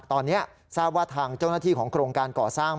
ตอนนี้ทราบว่าทางเจ้าหน้าที่ของโครงการก่อสร้าง